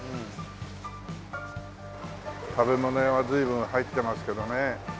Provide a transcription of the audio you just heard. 食べ物屋は随分入ってますけどね。